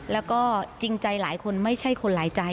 แล้วก็จริงใจหลายคนไม่ใช่คนหลายใจ